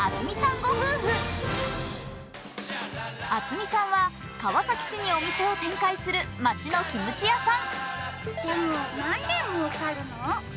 渥美さんは川崎市にお店を展開する町のキムチ屋さん。